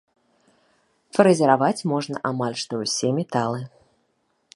Фрэзераваць можна амаль што ўсе металы.